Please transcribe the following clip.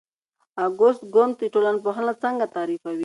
اګوست کُنت ټولنپوهنه څنګه تعریفوي؟